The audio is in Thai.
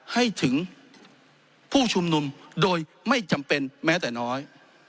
ให้ถึงผู้ชุมนุมโดยไม่จำเป็นแม้แต่น้อย